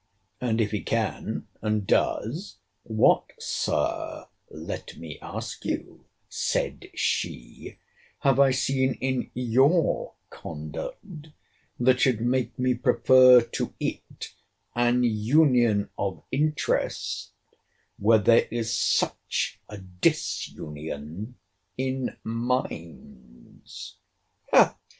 And if he can, and does, what, Sir, let me ask you, said she, have I seen in your conduct, that should make me prefer to it an union of interest, where there is such a disunion in minds?